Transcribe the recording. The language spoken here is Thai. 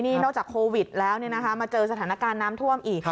นี่นอกจากโควิดแล้วมาเจอสถานการณ์น้ำท่วมอีก